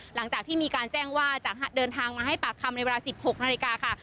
หลังจากที่มีการแจ้งว่าจะเดินทางมาให้ปากคำในเวลา๑๖นาฬิกาค่ะ